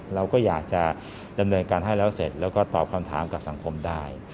เราก็อยากจะดำเนินการให้แล้วเสร็จแล้วก็ตอบคำถามกับสังคมได้